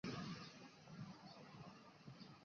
司马世云是司马纂的长子。